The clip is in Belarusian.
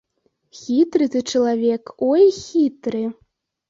Хітры ты чалавек, ой хітры!